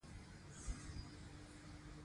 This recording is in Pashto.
ولایتونه د جغرافیوي تنوع یو ښه مثال دی.